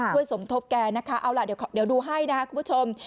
ช่วยสมธพแกนะคะเอาล่ะเดี๋ยวดูให้นะคะคุณผู้ชม